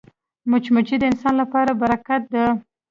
مچمچۍ د انسان لپاره برکت ده